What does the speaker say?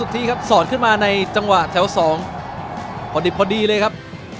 ที่สอนขึ้นมาในจังหวะแถว๒พอดิบพอดีเลยครับ